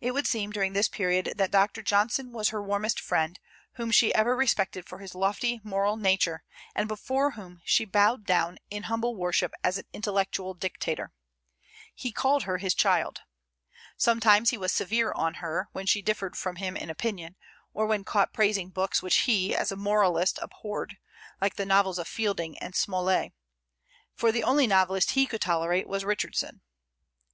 It would seem, during this period, that Dr. Johnson was her warmest friend, whom she ever respected for his lofty moral nature, and before whom she bowed down in humble worship as an intellectual dictator. He called her his child. Sometimes he was severe on her, when she differed from him in opinion, or when caught praising books which he, as a moralist, abhorred, like the novels of Fielding and Smollet; for the only novelist he could tolerate was Richardson.